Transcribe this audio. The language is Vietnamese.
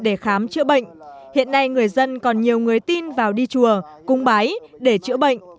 để khám chữa bệnh hiện nay người dân còn nhiều người tin vào đi chùa cung bái để chữa bệnh